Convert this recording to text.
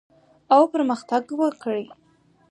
او پرمختګ وکړي